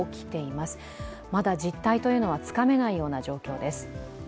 まだ実態というのはつかめないような状況です。